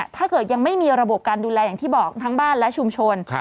ถ้าเกิดยังไม่มีระบบการดูแลอย่างที่บอกทั้งบ้านและชุมชน